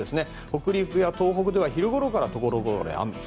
北陸や東北では昼頃からところどころで雨。